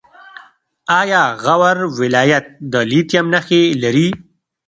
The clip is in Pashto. آیا غور ولایت د لیتیم نښې لري؟